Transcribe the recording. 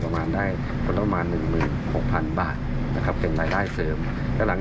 ประมาณได้คุณร้านมา๑๖๐๐๐บาทนะครับเป็นรายได้เสริมและหลังละ